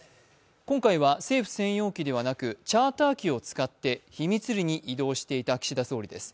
今回は政府専用機ではなくチャーター機を使って秘密裏に移動していた岸田総理です。